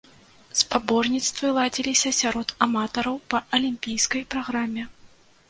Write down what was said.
Спаборніцтвы ладзіліся сярод аматараў па алімпійскай праграме.